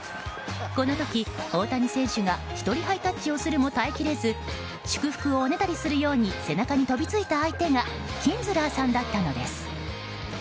この時、大谷選手が１人ハイタッチをするも耐え切れず祝福をおねだりするように背中に飛びついた相手がキンズラーさんだったのです。